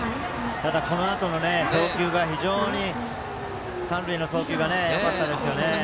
ただこのあとの送球がライト、非常に三塁への送球がよかったですね。